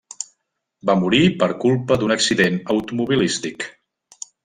Va morir per culpa d'un accident automobilístic.